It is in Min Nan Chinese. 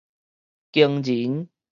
驚睨